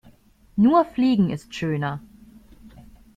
Nur Fliegen ist schöner.